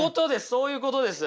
そういうことです。